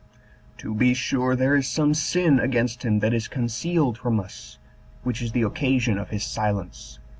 To be sure there is some sin against him that is concealed from us, which is the occasion of his silence.